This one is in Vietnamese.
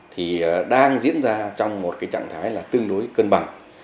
thì đang diễn ra trong một trạng thái tương đối cân bằng